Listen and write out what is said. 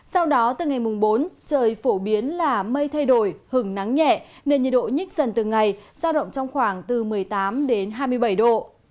sau đó từ ngày mùng bốn trời phổ biến là mây thay đổi hứng nắng nhẹ nên nhiệt độ nhích dần từng ngày giao động trong khoảng từ một mươi tám đến hai mươi bảy độ